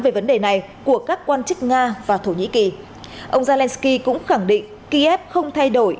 về vấn đề này của các quan chức nga và thổ nhĩ kỳ ông zelensky cũng khẳng định kiev không thay đổi